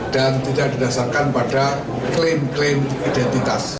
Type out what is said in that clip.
dan tidak didasarkan pada klaim klaim identitas